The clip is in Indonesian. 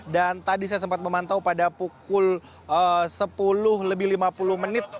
dan tadi saya sempat memantau pada pukul sepuluh lebih lima puluh menit